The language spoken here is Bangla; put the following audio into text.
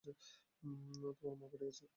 তোমার মা পাঠিয়েছে।